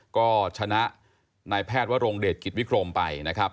ก็ชนะนายแพทย์วรงเดชกิจวิกรมไปนะครับ